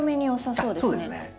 そうですね。